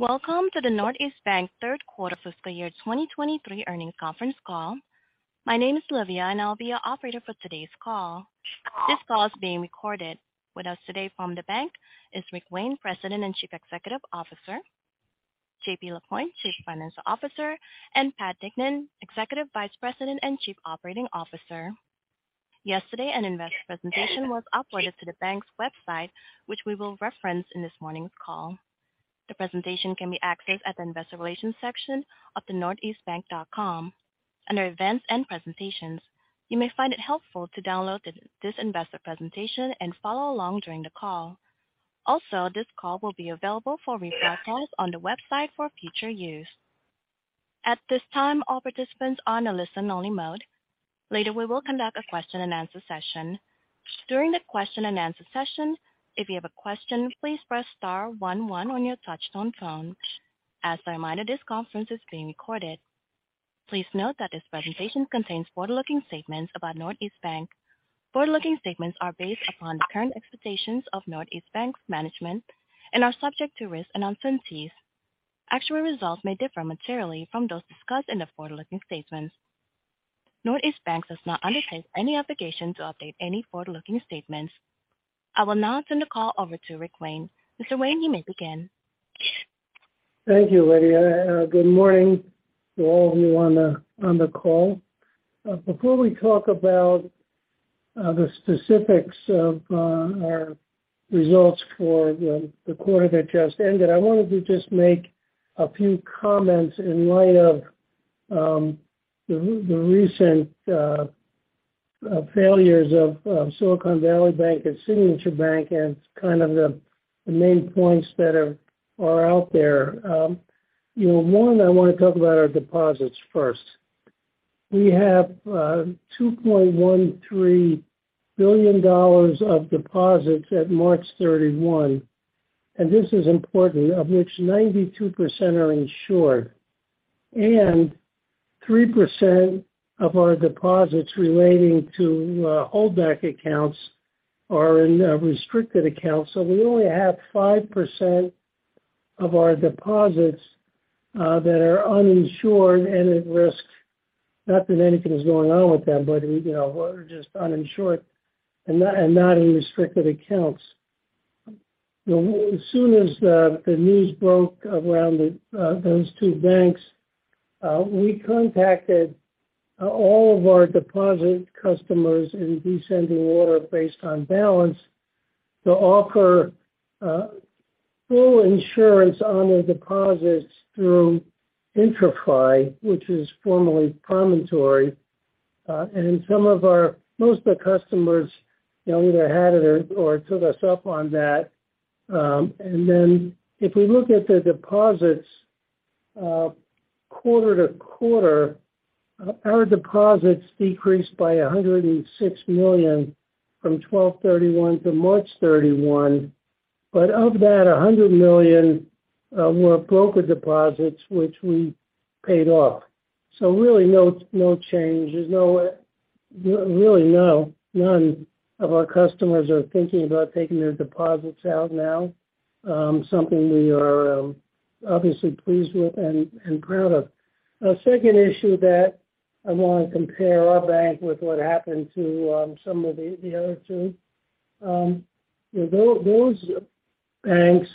Welcome to the Northeast Bank third quarter fiscal year 2023 earnings conference call. My name is Olivia, I'll be your operator for today's call. This call is being recorded. With us today from the bank is Rick Wayne, President and Chief Executive Officer, JP Lapointe, Chief Financial Officer, and Pat Dignan, Executive Vice President and Chief Operating Officer. Yesterday, an investor presentation was uploaded to the bank's website, which we will reference in this morning's call. The presentation can be accessed at the Investor Relations section of the northeastbank.com under Events and Presentations. You may find it helpful to download this investor presentation and follow along during the call. This call will be available for replay calls on the website for future use. At this time, all participants are on a listen only mode. Later, we will conduct a question and answer session. During the question and answer session, if you have a question, please press star one one on your touch tone phone. As a reminder, this conference is being recorded. Please note that this presentation contains forward-looking statements about Northeast Bank. Forward-looking statements are based upon the current expectations of Northeast Bank's management and are subject to risks and uncertainties. Actual results may differ materially from those discussed in the forward-looking statements. Northeast Bank does not undertake any obligation to update any forward-looking statements. I will now turn the call over to Rick Wayne. Mr. Wayne, you may begin. Thank you, Olivia. Good morning to all of you on the, on the call. Before we talk about the specifics of our results for the quarter that just ended, I wanted to just make a few comments in light of the recent failures of Silicon Valley Bank and Signature Bank, and kind of the main points that are out there. You know, one, I wanna talk about our deposits first. We have $2.13 billion of deposits at March 31, and this is important, of which 92% are insured and 3% of our deposits relating to holdback accounts are in a restricted account. We only have 5% of our deposits that are uninsured and at risk. Not that anything is going on with them, you know, are just uninsured and not in restricted accounts. You know, as soon as the news broke around those two banks, we contacted all of our deposit customers in descending order based on balance to offer full insurance on their deposits through IntraFi, which is formerly Promontory. Some of our most of the customers, you know, either had it or took us up on that. If we look at the deposits quarter-to-quarter, our deposits decreased by $106 million from December 31 to March 31. Of that, $100 million were broker deposits, which we paid off. Really no change. There's really none of our customers are thinking about taking their deposits out now. Something we are obviously pleased with and proud of. A second issue that I want to compare our bank with what happened to some of the other two. You know, those banks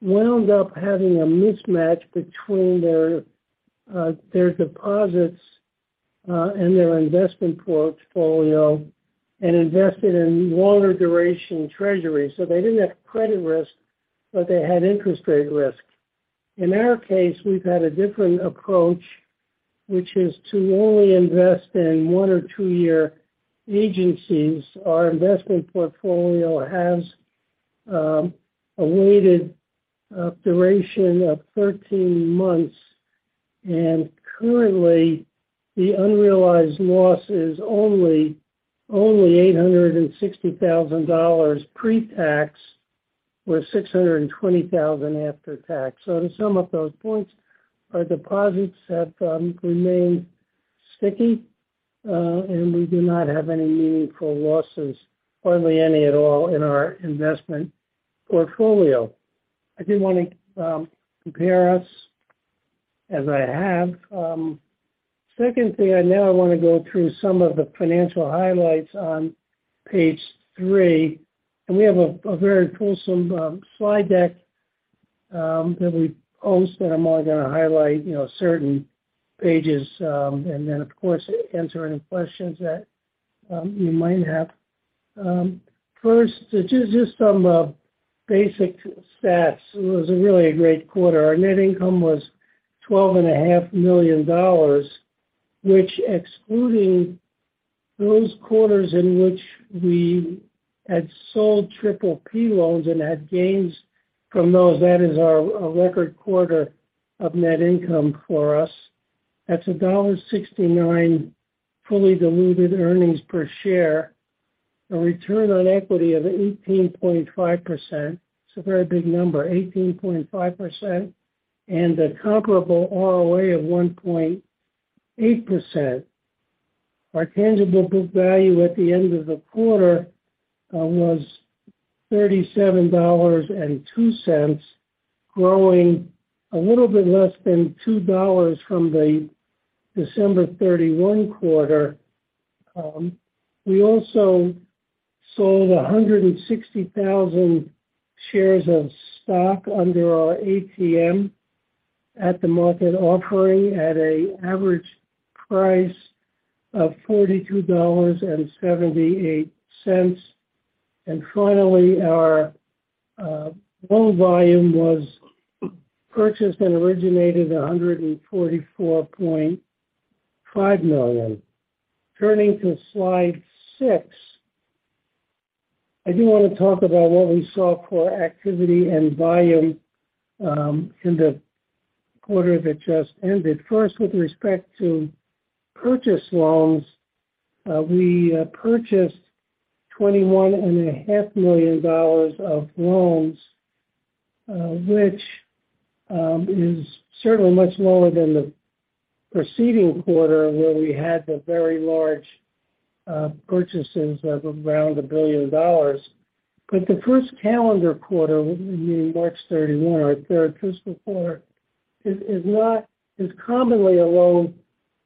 wound up having a mismatch between their deposits and their investment portfolio, and invested in longer duration treasuries. They didn't have credit risk, but they had interest rate risk. In our case, we've had a different approach, which is to only invest in one or two-year agencies. Our investment portfolio has a weighted duration of 13 months. Currently, the unrealized loss is only $860,000 pre-tax, or $620,000 after tax. To sum up those points, our deposits have remained sticky, and we do not have any meaningful losses or any at all in our investment portfolio. I did wanna compare us as I have. Second thing, I now wanna go through some of the financial highlights on page three. We have a very wholesome slide deck that we post, and I'm only gonna highlight, you know, certain pages, and then of course, answer any questions that you might have. First, just some basic stats. It was really a great quarter. Our net income was $12.5 million, which excluding those quarters in which we had sold PPP loans and had gains from those, that is a record quarter of net income for us. That's $1.69 fully diluted earnings per share. A return on equity of 18.5%. It's a very big number, 18.5%. A comparable ROA of 1.8%. Our tangible book value at the end of the quarter, was $37.02, growing a little bit less than $2 from the December 31 quarter. We also sold 160,000 shares of stock under our ATM at the market offering at a average price of $42.78. Finally, our loan volume was purchased and originated $144.5 million. Turning to slide 6, I do wanna talk about what we saw for activity and volume in the quarter that just ended. First, with respect to purchase loans, we purchased $21.5 million of loans, which is certainly much lower than the preceding quarter where we had the very large purchases of around $1 billion. The first calendar quarter, meaning March 31 or 3rd fiscal quarter, is commonly a low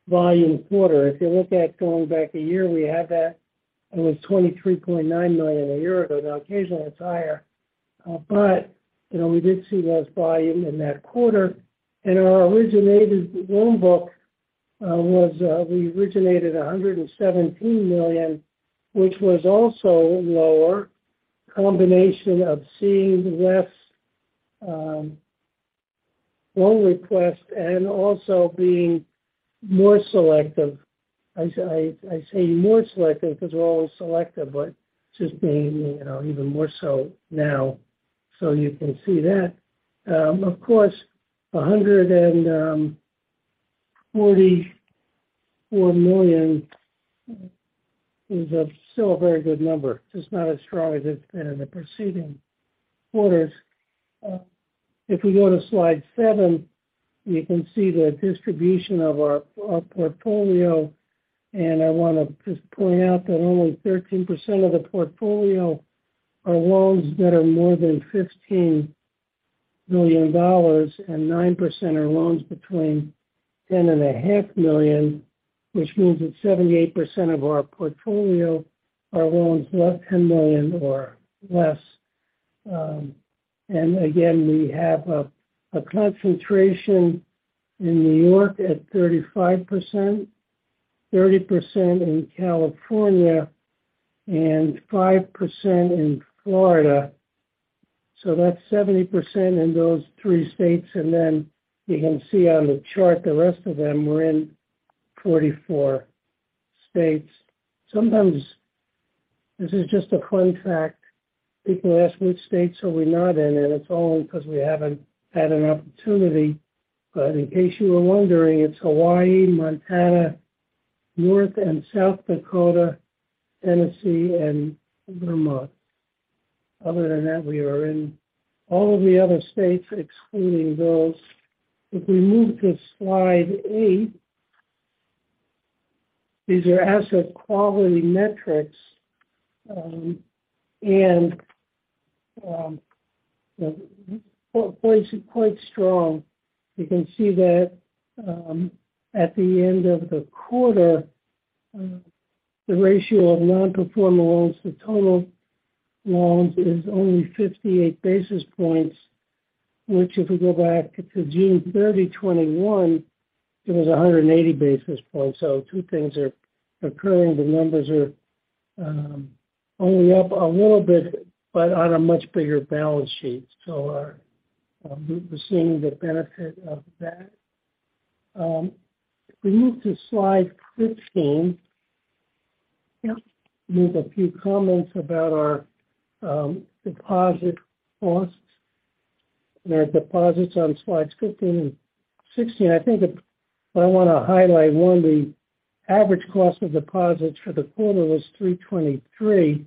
volume quarter. If you look at going back a year, we had that, it was $23.9 million a year ago. Occasionally it's higher, but, you know, we did see less volume in that quarter. Our originated loan book was, we originated $117 million, which was also lower, combination of seeing less loan requests and also being more selective. I say more selective 'cause we're always selective, but just being, you know, even more so now, so you can see that. Of course, $144 million is a still a very good number, just not as strong as it's been in the preceding quarters. If we go to slide seven, you can see the distribution of our portfolio, and I wanna just point out that only 13% of the portfolio are loans that are more than $15 million, and 9% are loans between $10.5 million, which means that 78% of our portfolio are loans $10 million or less. And again, we have a concentration in New York at 35%, 30% in California, and 5% in Florida. That's 70% in those three states. You can see on the chart the rest of them, we're in 44 states. Sometimes, this is just a fun fact, people ask which states are we not in, and it's only 'cause we haven't had an opportunity, but in case you were wondering, it's Hawaii, Montana, North and South Dakota, Tennessee, and Vermont. Other than that, we are in all of the other states excluding those. We move to slide eight, these are asset quality metrics, and the port is quite strong. You can see that, at the end of the quarter, the ratio of non-performing loans to total loans is only 58 basis points, which if we go back to June 30, 2021, it was 180 basis points. Two things are occurring. The numbers are only up a little bit, but on a much bigger balance sheet. We're seeing the benefit of that. If we move to slide 15, move a few comments about our deposit costs. Our deposits on slides 15 and 16. I think what I wanna highlight, one, the average cost of deposits for the quarter was 3.23%,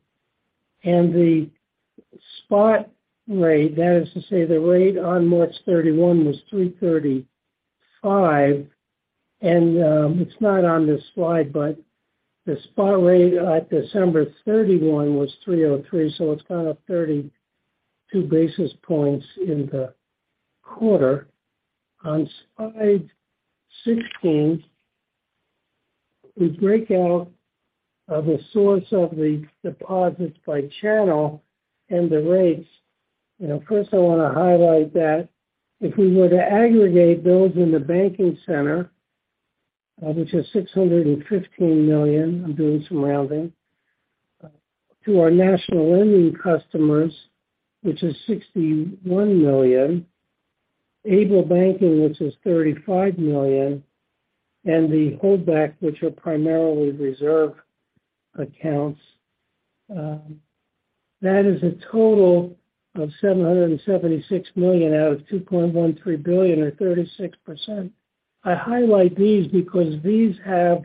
and the spot rate, that is to say the rate on March 31, was 3.35%. It's not on this slide, but the spot rate at December 31 was 3.03%, so it's gone up 32 basis points in the quarter. On slide 16, we break out the source of the deposits by channel and the rates. You know, first I wanna highlight that if we were to aggregate those in the banking center, which is $615 million, I'm doing some rounding, to our national lending customers, which is $61 million, ableBanking, which is $35 million, and the holdback, which are primarily reserve accounts, that is a total of $776 million out of $2.13 billion, or 36%. I highlight these because these have,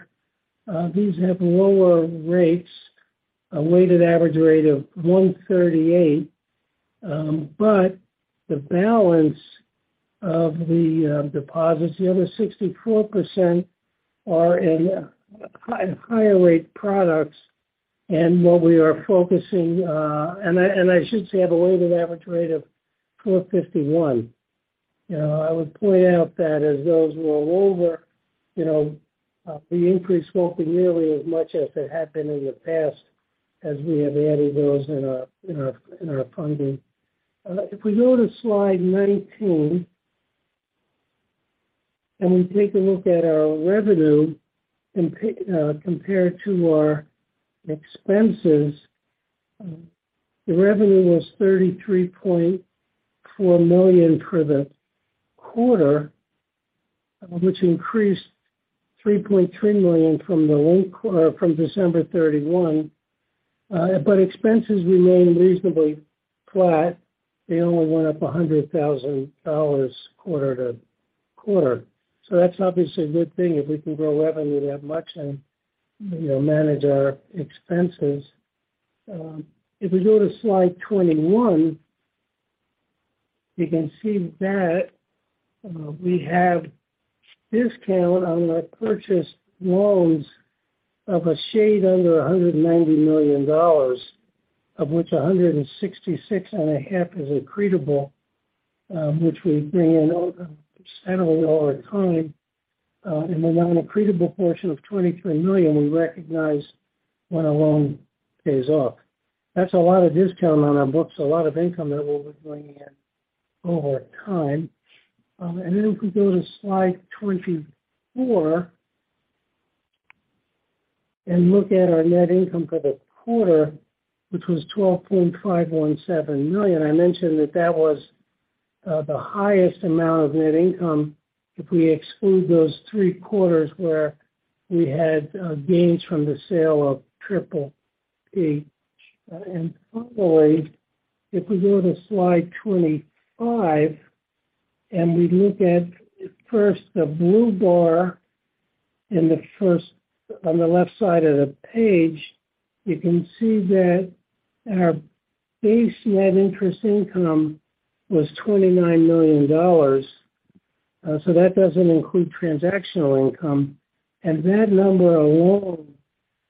these have lower rates, a weighted average rate of 1.38%. The balance of the deposits, the other 64% are in higher rate products and what we are focusing... I, and I should say have a weighted average rate of 4.51%. You know, I would point out that as those roll over, you know, the increase won't be nearly as much as it had been in the past as we have added those in our funding. If we go to slide 19 and we take a look at our revenue compared to our expenses, the revenue was $33.4 million for the quarter, which increased $3.3 million from December 31. Expenses remained reasonably flat. They only went up $100,000 quarter-to-quarter. That's obviously a good thing if we can grow revenue that much and, you know, manage our expenses. If we go to slide 21, you can see that we have discount on the purchased loans of a shade under $190 million, of which a hundred and sixty-six and a half is accretable, which we bring in over steadily over time. Then on accretable portion of $23 million, we recognize when a loan pays off. That's a lot of discount on our books, a lot of income that we'll be bringing in over time. Then if we go to slide 24 and look at our net income for the quarter, which was $12.517 million. I mentioned that that was the highest amount of net income if we exclude those 3 quarters where we had gains from the sale of PPP. Finally, if we go to slide 25 and we look at first the blue bar in the first on the left side of the page. You can see that our base net interest income was $29 million. That doesn't include transactional income. That number alone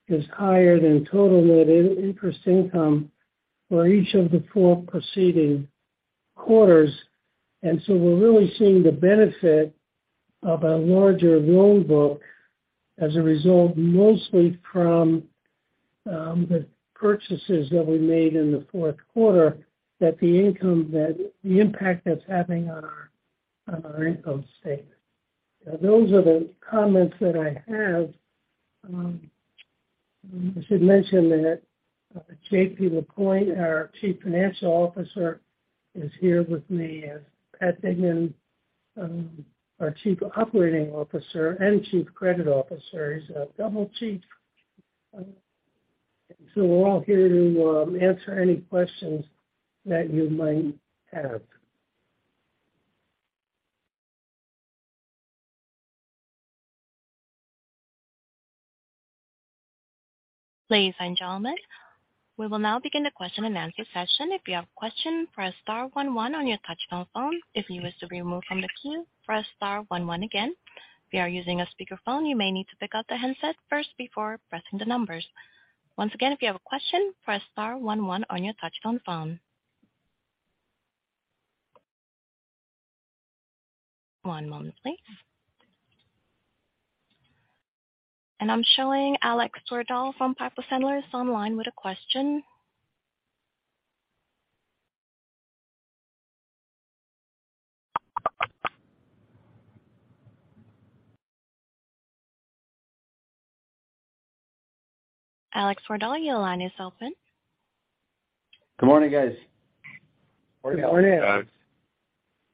is higher than total net interest income for each of the four preceding quarters. We're really seeing the benefit of a larger loan book as a result, mostly from the purchases that we made in the fourth quarter, that the impact that's having on our income statement. Those are the comments that I have. I should mention that JP Lapointe, our Chief Financial Officer, is here with me, as Pat Dignan, our Chief Operating Officer and Chief Credit Officer. He's a double chief. We're all here to answer any questions that you might have. Ladies and gentlemen, we will now begin the question-and-answer session. If you have a question, press star one one on your touchtone phone. If you wish to remove from the queue, press star one one again. If you are using a speaker phone, you may need to pick up the handset first before pressing the numbers. Once again, if you have a question, press star one one on your touchtone phone. One moment, please. I'm showing Alex Twerdahl from Piper Sandler is online with a question. Alex Twerdahl, your line is open. Good morning, guys. Good morning.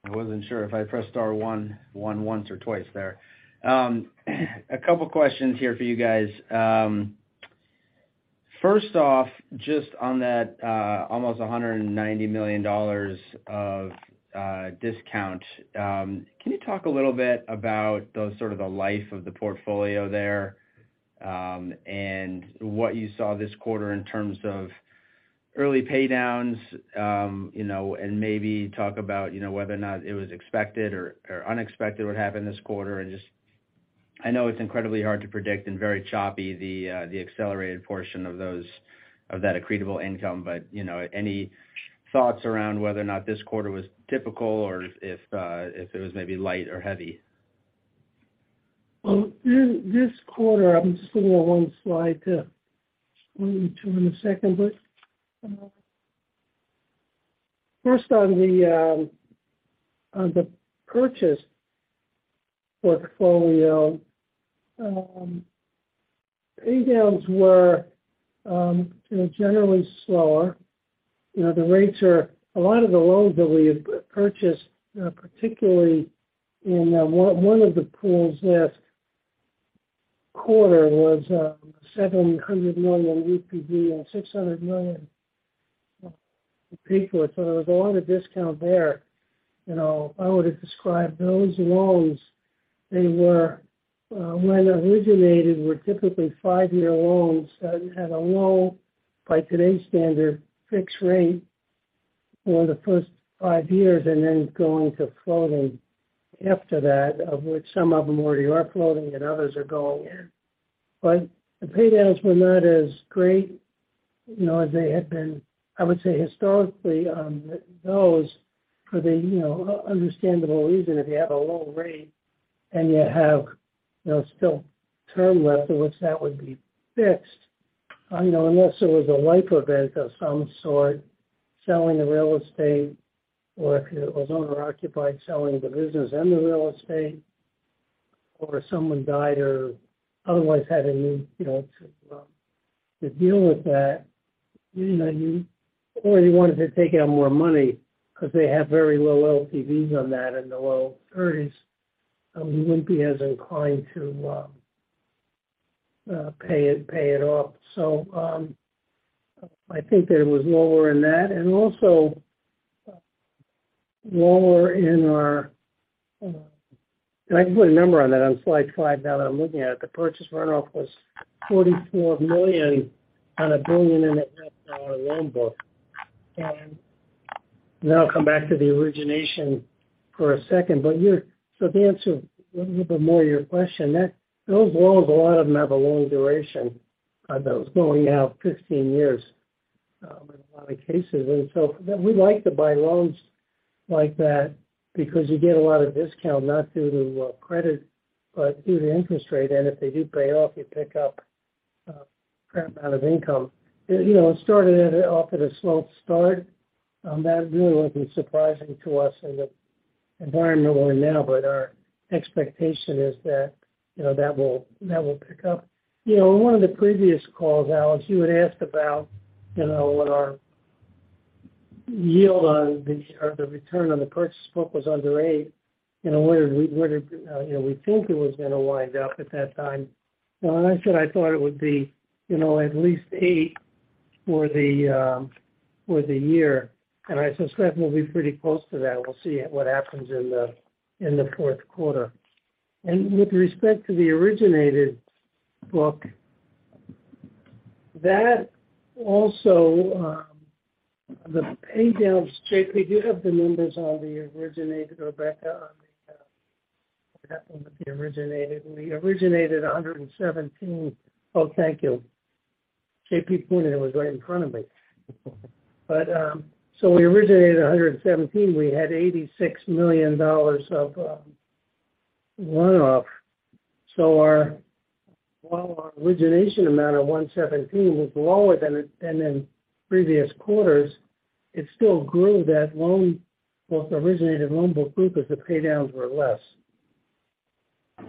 I wasn't sure if I pressed star one one one once or twice there. A couple questions here for you guys. First off, just on that almost $190 million of discount. Can you talk a little bit about those sort of the life of the portfolio there, and what you saw this quarter in terms of early pay downs, you know, and maybe talk about, you know, whether or not it was expected or unexpected, what happened this quarter. Just I know it's incredibly hard to predict and very choppy, the accelerated portion of that accretable income. You know, any thoughts around whether or not this quarter was typical or if it was maybe light or heavy? This quarter, I'm just looking at one slide to maybe turn in a second. First on the purchase portfolio, pay downs were, you know, generally slower. You know, the rates are. A lot of the loans that we have purchased, particularly in one of the pools last quarter was $700 million UPB and $600 million to pay for it. There was a lot of discount there. You know, I would have described those loans. They were, when originated, were typically five-year loans that had a low, by today's standard, fixed rate for the first five years and then going to floating after that, of which some of them already are floating and others are going. The pay downs were not as great, you know, as they had been, I would say historically on those for the, you know, understandable reason if you have a low rate and you have, you know, still term left in which that would be fixed. I know unless there was a life event of some sort, selling the real estate or if it was owner-occupied, selling the business and the real estate, or someone died or otherwise had a need, you know, to deal with that. Or they wanted to take out more money because they have very low LTVs on that in the low 30s, we wouldn't be as inclined to pay it off. I think that it was lower in that. Also lower in our... I can put a number on that on slide five, now that I'm looking at it. The purchase runoff was $44 million on a billion and a half dollar loan book. Then I'll come back to the origination for a second. So to answer a little bit more your question, that-- those loans, a lot of them have a long duration on those, going out 15 years, in a lot of cases. So we like to buy loans like that because you get a lot of discount, not due to credit, but due to interest rate. If they do pay off, you pick up a fair amount of income. You know, it started at a-- off at a slow start. That really wasn't surprising to us in the environment we're in now, our expectation is that, you know, that will pick up. You know, in one of the previous calls, Alex, you had asked about, you know, what our yield on the, or the return on the purchase book was under eight. You know, where did we, where did, you know, we think it was gonna wind up at that time. I said I thought it would be, you know, at least eight for the year. I suspect we'll be pretty close to that. We'll see what happens in the fourth quarter. With respect to the originated book, that also, the pay downs, JP, do you have the numbers on the originated, Rebecca, on the what happened with the originated? We originated 117. Oh, thank you. JP Lapointe, it was right in front of me. We originated 117. We had $86 million of runoff. Our, while our origination amount of 117 was lower than in previous quarters, it still grew that loan, both originated loan book group as the pay downs were less. I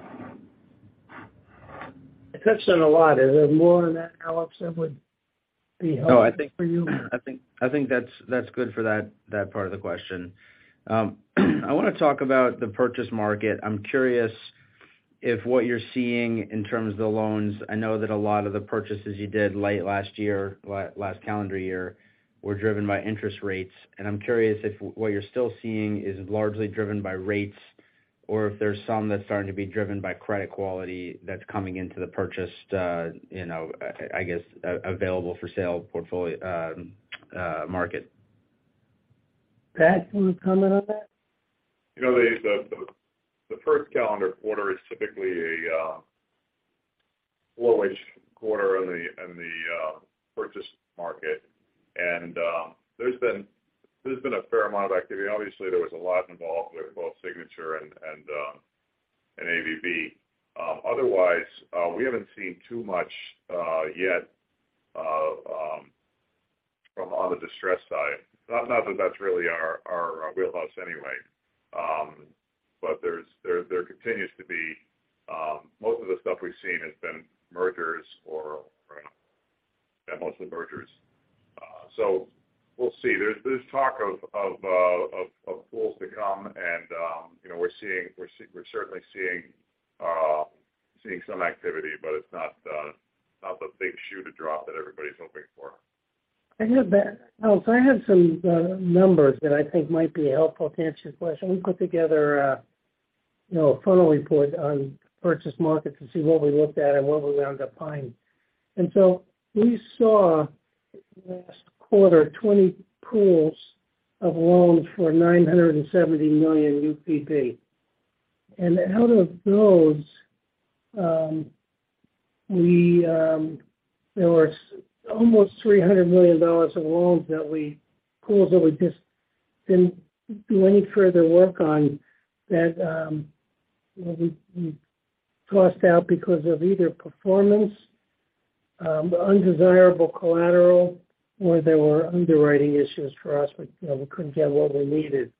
touched on a lot. Is there more on that, Alex, that would be helpful for you? No, I think that's good for that part of the question. I wanna talk about the purchase market. I'm curious if what you're seeing in terms of the loans. I know that a lot of the purchases you did late last year, last calendar year, were driven by interest rates. I'm curious if what you're still seeing is largely driven by rates or if there's some that's starting to be driven by credit quality that's coming into the purchased, you know, available-for-sale portfolio market. Pat, can you comment on that? You know, the first calendar quarter is typically a slow-ish quarter in the purchase market. There's been a fair amount of activity. Obviously, there was a lot involved with both Signature and SVB. Otherwise, we haven't seen too much yet from on the distressed side. Not that that's really our wheelhouse anyway. There's there continues to be most of the stuff we've seen has been mergers or... Yeah, mostly mergers. We'll see. There's talk of pools to come and, you know, we're certainly seeing some activity, but it's not the big shoe to drop that everybody's hoping for. I have, Alex, I have some numbers that I think might be helpful to answer your question. We put together a, you know, a funnel report on purchase markets to see what we looked at and what we wound up buying. We saw last quarter, 20 pools of loans for $970 million UPB. Out of those, there was almost $300 million of loans that we-- pools that we just didn't do any further work on, that, you know, we tossed out because of either performance, undesirable collateral, or there were underwriting issues for us. We, you know, we couldn't get what we needed.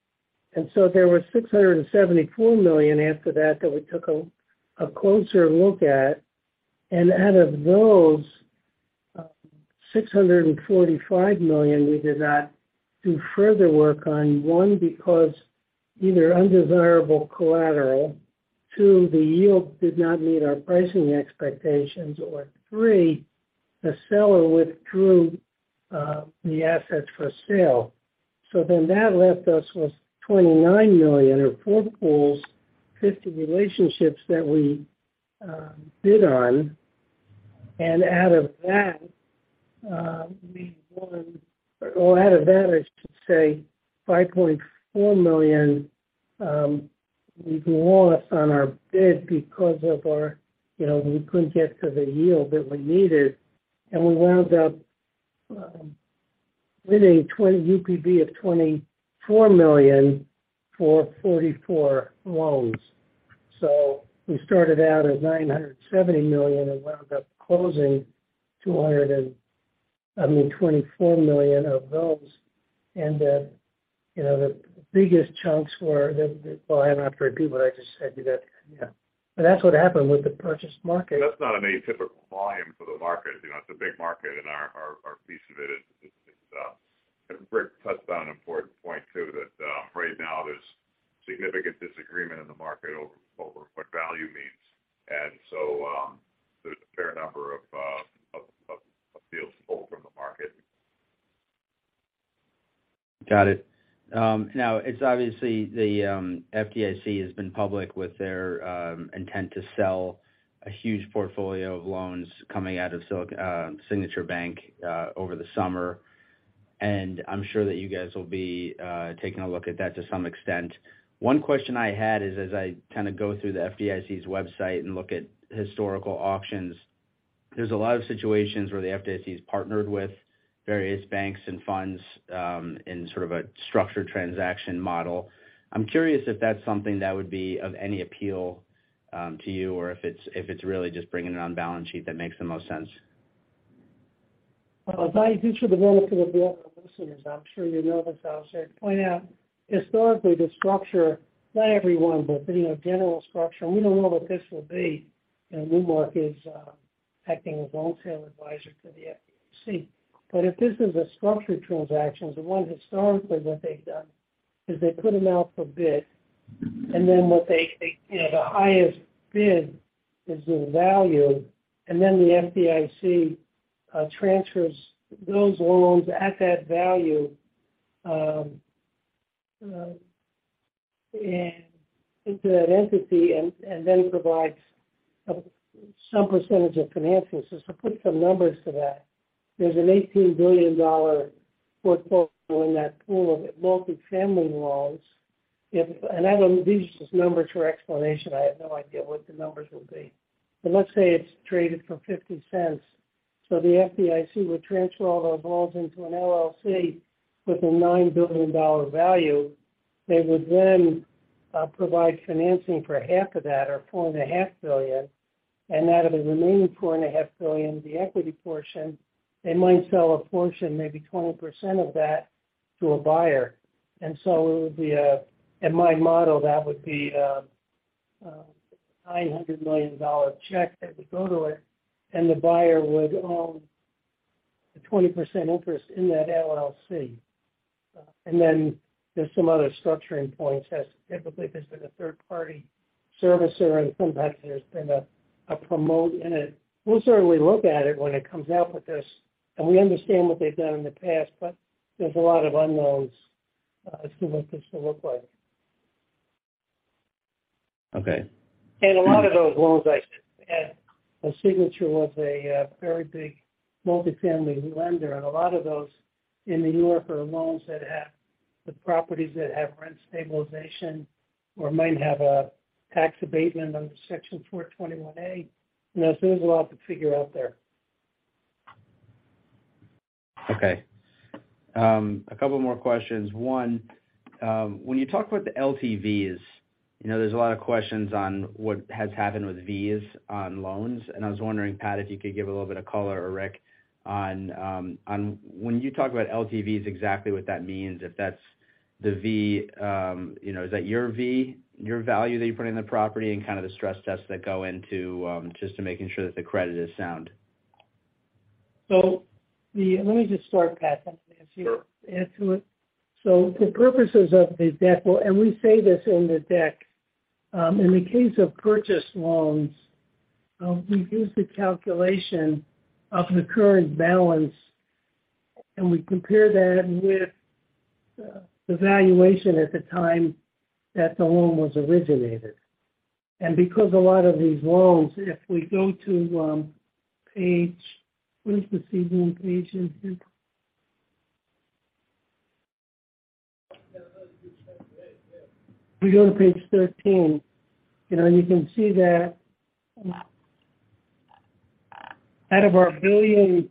There was $674 million after that we took a closer look at. Out of those, $645 million we did not do further work on. One, because either undesirable collateral. Two, the yield did not meet our pricing expectations. Three, the seller withdrew the asset for sale. That left us with $29 million or four pools, 50 relationships that we bid on. Out of that, or out of that I should say $5.4 million, we've lost on our bid because of our, you know, we couldn't get to the yield that we needed. We wound up with a UPB of $24 million for 44 loans. We started out at $970 million and wound up closing, I mean, $24 million of loans. You know, the biggest chunks were the Well, I'm not sure I can... I just said to that, yeah. That's what happened with the purchase market. That's not an atypical volume for the market. You know, it's a big market, and our piece of it is. Rick touched on an important point, too, that right now there's significant disagreement in the market over what value means. There's a fair number of deals pulled from the market. Got it. Now it's obviously the FDIC has been public with their intent to sell a huge portfolio of loans coming out of Signature Bank over the summer. I'm sure that you guys will be taking a look at that to some extent. One question I had is, as I kind of go through the FDIC's website and look at historical auctions, there's a lot of situations where the FDIC has partnered with various banks and funds in sort of a structured transaction model. I'm curious if that's something that would be of any appeal to you or if it's really just bringing it on balance sheet that makes the most sense. As I do for the benefit of the other listeners, I'm sure you know this, I'll say, point out historically the structure, not every one, but you know, general structure. We don't know what this will be. You know, Newmark is acting as wholesale advisor to the FDIC. If this is a structured transaction, the one historically what they've done is they put them out for bid. Then what they, you know, the highest bid is the value. Then the FDIC transfers those loans at that value into that entity and then provides a, some percentage of financing. To put some numbers to that, there's an $18 billion portfolio in that pool of multifamily loans. And I don't... These are just numbers for explanation. I have no idea what the numbers will be. Let's say it's traded for $0.50. The FDIC would transfer all those loans into an LLC with a $9 billion value. They would then provide financing for half of that or $4.5 billion. Out of the remaining $4.5 billion, the equity portion, they might sell a portion, maybe 20% of that to a buyer. It would be In my model, that would be a $900 million check that would go to it, and the buyer would own the 20% interest in that LLC. And then there's some other structuring points as typically there's been a third party servicer and sometimes there's been a promote in it. We'll certainly look at it when it comes out with this. We understand what they've done in the past. There's a lot of unknowns, as to what this will look like. Okay. A lot of those loans I said, and Signature was a very big multifamily lender, and a lot of those in New York are loans that have the properties that have rent stabilization or might have a tax abatement under Section 421-a. Those things will have to figure out there. Okay. A couple more questions. One, when you talk about the LTVs, you know, there's a lot of questions on what has happened with Vs on loans. I was wondering, Pat, if you could give a little bit of color or Rick on when you talk about LTVs, exactly what that means. If that's the V, you know, is that your V, your value that you put in the property and kind of the stress tests that go into, just to making sure that the credit is sound. Let me just start, Pat. Sure. Answer it. For purposes of the deck, well, we say this in the deck, in the case of purchase loans, we use the calculation of the current balance, and we compare that with the valuation at the time that the loan was originated. Because a lot of these loans, if we go to, page... What is the seasoning page in here? Yeah, that would be section eight, yeah. If we go to page 13, you know, you can see that out of our $1.46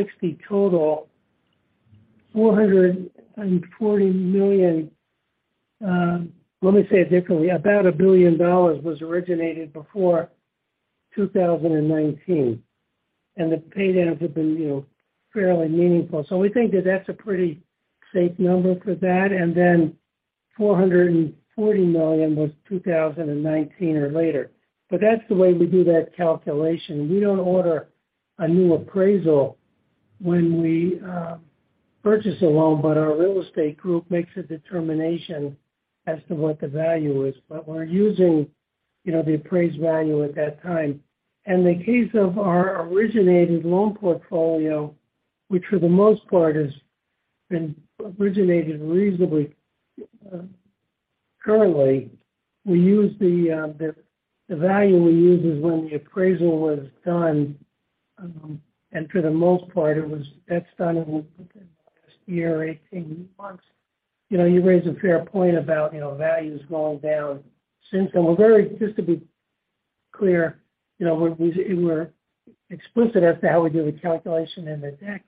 billion total, $440 million. Let me say it differently. About $1 billion was originated before 2019. The paydowns have been, you know, fairly meaningful. We think that that's a pretty safe number for that. Then $440 million was 2019 or later. That's the way we do that calculation. We don't order a new appraisal when we purchase a loan. Our real estate group makes a determination as to what the value is. We're using You know, the appraised value at that time. In the case of our originated loan portfolio, which for the most part has been originated reasonably currently, we use the value we use is when the appraisal was done. For the most part, that's done in the last year, 18 months. You know, you raise a fair point about, you know, values going down since then. Just to be clear, you know, we're explicit as to how we do the calculation in the deck.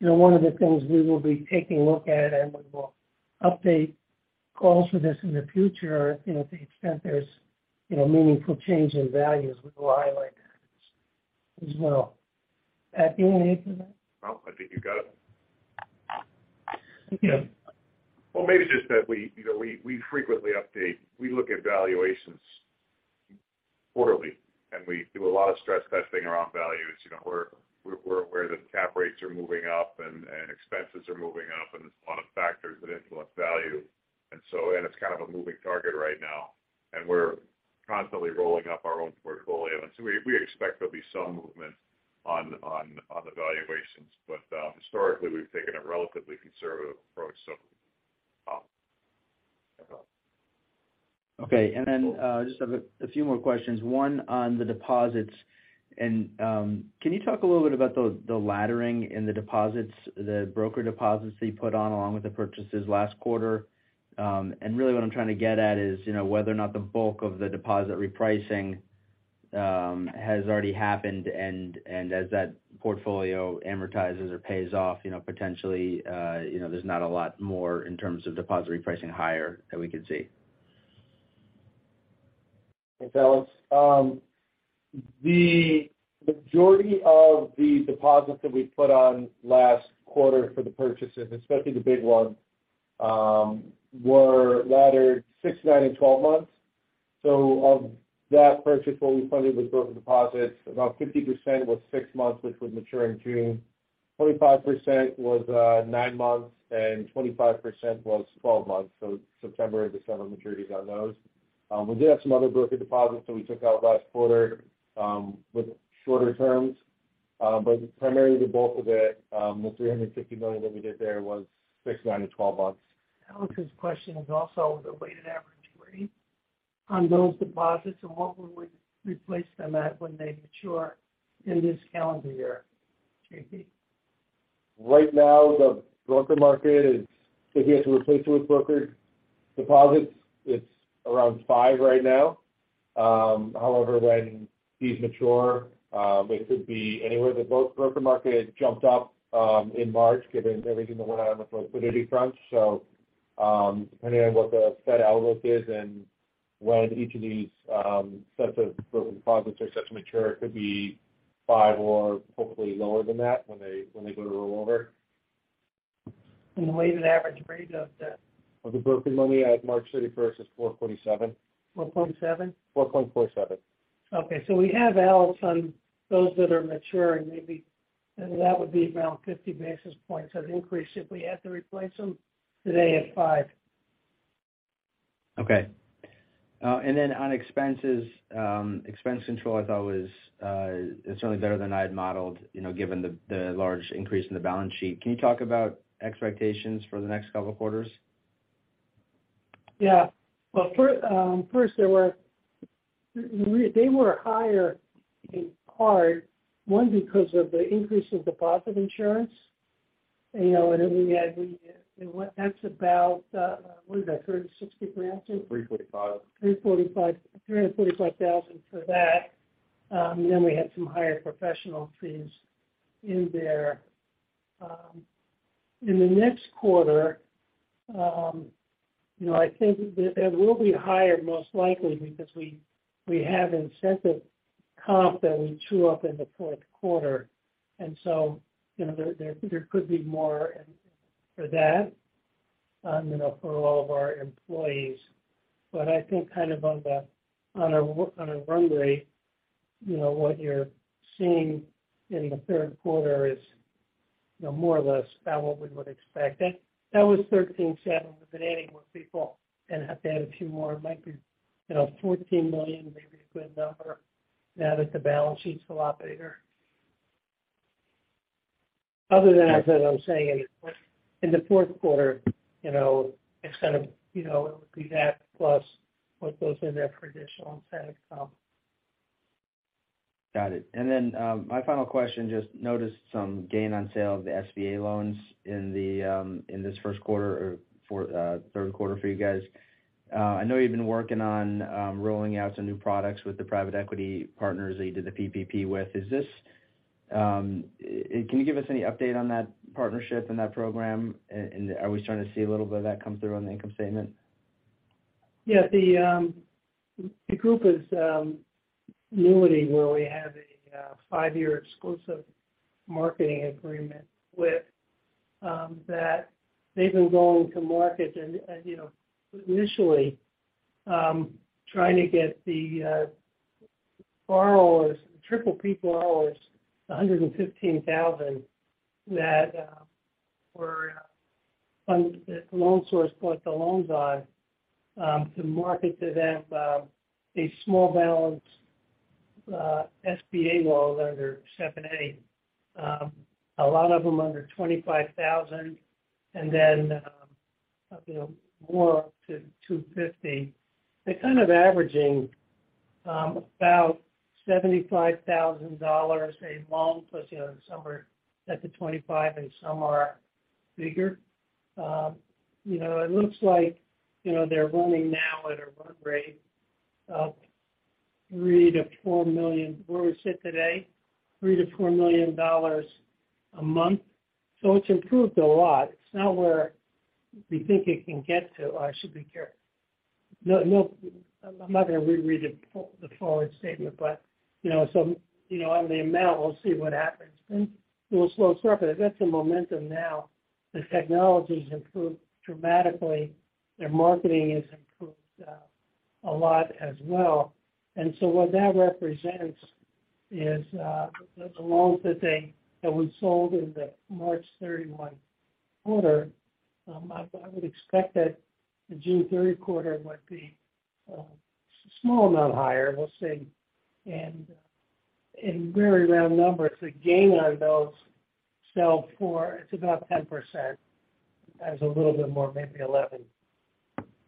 You know, one of the things we will be taking a look at, and we will update calls for this in the future, you know, to the extent there's, you know, meaningful change in values, we will highlight that as well. Add anything to that? No, I think you got it. Yeah. Maybe just that we, you know, we frequently update. We look at valuations quarterly, and we do a lot of stress testing around values. You know, we're aware that cap rates are moving up and expenses are moving up, and there's a lot of factors that influence value. It's kind of a moving target right now, and we're constantly rolling up our own portfolio. We expect there'll be some movement on the valuations. Historically, we've taken a relatively conservative approach. Okay. Then, I just have a few more questions. One on the deposits. Can you talk a little bit about the laddering in the deposits, the broker deposits that you put on along with the purchases last quarter? Really what I'm trying to get at is, you know, whether or not the bulk of the deposit repricing has already happened, and as that portfolio amortizes or pays off, you know, potentially, you know, there's not a lot more in terms of deposit repricing higher that we could see. Thanks, Alex. The majority of the deposits that we put on last quarter for the purchases, especially the big ones, were laddered six, nine and 12 months. Of that purchase, what we funded with broker deposits, about 50% was 6 months, which would mature in June. 25% was nine months, and 25% was 12 months. September and December maturities on those. We did have some other broker deposits that we took out last quarter, with shorter terms. Primarily the bulk of it, the $350 million that we did there was six, nine to 12 months. Alex's question is also the weighted average rate on those deposits and what we would replace them at when they mature in this calendar year. JP. Right now, the broker market is, if you had to replace it with brokered deposits, it's around 5% right now. When these mature, they could be anywhere. The broker market jumped up in March given everything that went on with the liquidity front. Depending on what the Fed outlook is and when each of these sets of broker deposits are set to mature, it could be 5% or hopefully lower than that when they, when they go to roll over. The weighted average rate of that? Of the brokered money at March 31st is 4.7%. 4.7? 4.47. We have, Alex, on those that are maturing, maybe that would be around 50 basis points of increase if we had to replace them today at five. Okay. On expenses, expense control I thought was certainly better than I had modeled, you know, given the large increase in the balance sheet. Can you talk about expectations for the next couple of quarters? Yeah. Well, first they were higher in part, one, because of the increase in deposit insurance. You know, then we had the, what? That's about, what is that, $36,000? 345. 345, $345,000 for that. We had some higher professional fees in there. In the next quarter, you know, I think that it will be higher most likely because we have incentive comp that we true up in the fourth quarter. You know, there could be more and for that, you know, for all of our employees. I think kind of on a run rate, you know, what you're seeing in the third quarter is, you know, more or less about what we would expect. That was $13.7. We've been adding more people and have to add a few more. It might be, you know, $14 million may be a good number now that the balance sheet's a lot bigger. Other than that, as I was saying in the fourth quarter, you know, it's kind of, you know, it would be that plus what goes into that for additional incentive comp. Got it. Then, my final question, just noticed some gain on sale of the SBA loans in the, in this first quarter or for, third quarter for you guys. I know you've been working on, rolling out some new products with the private equity partners that you did the PPP with. Can you give us any update on that partnership and that program? Are we starting to see a little bit of that come through on the income statement? Yeah. The group is Newity, where we have a five-year exclusive marketing agreement with that they've been going to market and, you know, initially, trying to get the borrowers, triple P borrowers, $115,000 that were on The Loan Source bought the loans on, to market to them, these small balance SBA loans under 7(a). A lot of them under $25,000 and then, you know, more up to $250,000. They're kind of averaging about $75,000 a month plus, you know, some are at the $25,000 and some are bigger. You know, it looks like, you know, they're running now at a run rate of $3 million-$4 million where we sit today, $3 million-$4 million a month. It's improved a lot. It's not where we think it can get to. I should be care- No, no, I'm not gonna reread it, the forward statement. You know, so you know on the amount, we'll see what happens. It will slow circuit. They've got some momentum now. The technology's improved dramatically. Their marketing has improved, a lot as well. What that represents is, the loans that we sold in the March 31 quarter. I would expect that the June 30 quarter would be, small amount higher. We'll see. In very round numbers, the gain on those sell for it's about 10%. As a little bit more, maybe 11.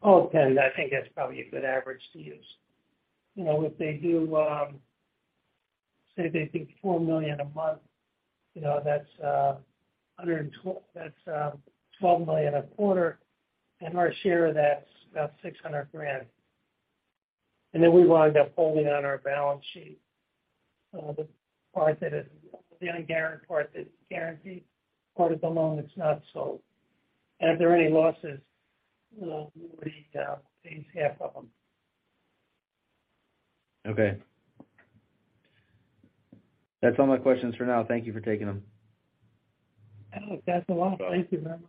All 10, I think that's probably a good average to use. You know, if they do, say they do $4 million a month, you know, that's $12 million a quarter. Our share of that's about $600,000. Then we wind up holding on our balance sheet, the part that is the part that's guaranteed, part of the loan that's not sold. If there are any losses, we'll pays half of them. Okay. That's all my questions for now. Thank you for taking them. Alex, that's a lot. Thank you very much.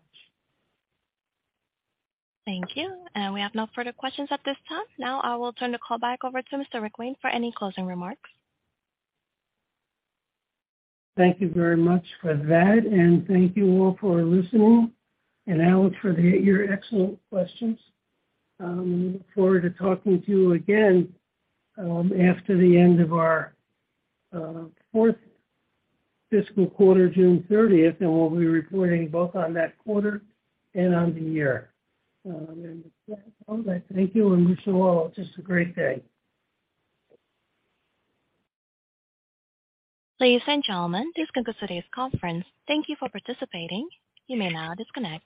Thank you. We have no further questions at this time. Now I will turn the call back over to Mr. Rick Wayne for any closing remarks. Thank you very much for that. Thank you all for listening, and Alex for your excellent questions. We look forward to talking to you again, after the end of our, fourth fiscal quarter, June 30th. We'll be reporting both on that quarter and on the year. With that, thank you and wish you all just a great day. Ladies and gentlemen, this concludes today's conference. Thank you for participating. You may now disconnect.